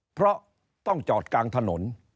เพราะต้องจอดกลางถนน